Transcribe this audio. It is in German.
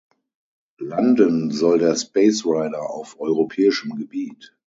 Landen soll der Space Rider auf europäischem Gebiet.